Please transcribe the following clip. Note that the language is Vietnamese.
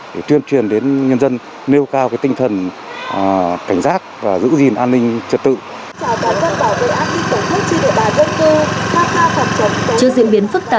để tuyên truyền đến nhân dân nêu cao tinh thần cảnh giác và giữ gìn an ninh trật tự